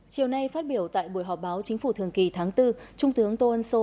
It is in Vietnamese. chiều nay phát biểu tại buổi họp báo chính phủ thường kỳ tháng bốn trung tướng tô ân sô